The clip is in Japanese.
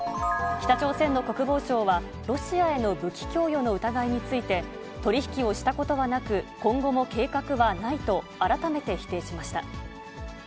北朝鮮の国防省は、ロシアへの武器供与の疑いについて、取り引きをしたことはなく、今後も計画はないと改めて否定しました。